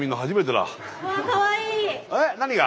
えっ何が？